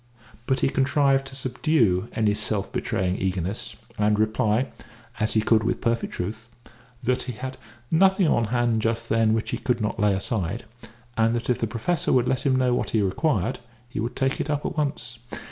But he contrived to subdue any self betraying eagerness, and reply (as he could with perfect truth) that he had nothing on hand just then which he could not lay aside, and that if the Professor would let him know what he required, he would take it up at once.